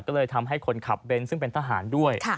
ก็เลยทำให้คนขับเบนท์ซึ่งเป็นทหารด้วย